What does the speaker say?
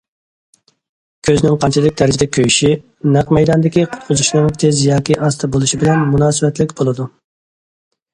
كۆزنىڭ قانچىلىك دەرىجىدە كۆيۈشى نەق مەيداندىكى قۇتقۇزۇشنىڭ تېز ياكى ئاستا بولۇشى بىلەن مۇناسىۋەتلىك بولىدۇ.